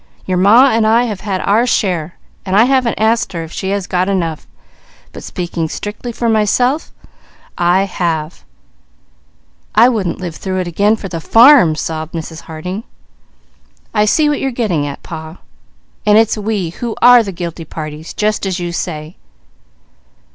Your Ma and I have had our share, and I haven't asked her if she has got enough, but speaking strictly for myself, I have." "I wouldn't live through it again for the farm," sobbed Mrs. Harding. "I see what you are getting at Pa, and it's we who are the guilty parties, just as you say."